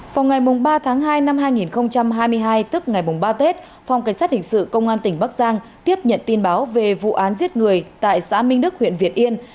vào ngày ba tháng hai năm hai nghìn hai mươi hai tức ngày ba tết phòng cảnh sát hình sự công an tỉnh bắc giang tiếp nhận tin báo về vụ án giết người tại xã minh đức huyện việt yên